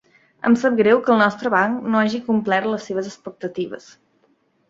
Em sap greu que el nostre banc no hagi complert les seves expectatives.